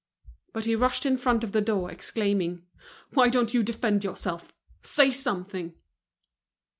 But be rushed in front of the door, exclaiming: "Why don't you defend yourself'? Say something!"